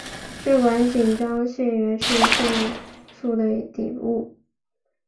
血管紧张素原是肾素的底物。